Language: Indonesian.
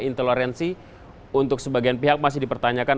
intoleransi untuk sebagian pihak masih dipertanyakan